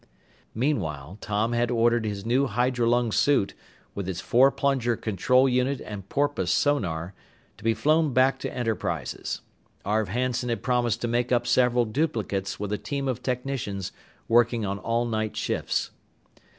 Meanwhile, Tom had ordered his new hydrolung suit, with its four plunger control unit and porpoise sonar, to be flown back to Enterprises. Arv Hanson had promised to make up several duplicates with a team of technicians working on all night shifts.